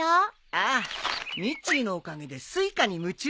ああミッチーのおかげで酢イカに夢中さ。